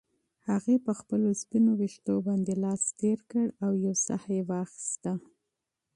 هغې په خپلو سپینو ویښتو باندې لاس تېر کړ او یوه ساه یې واخیسته.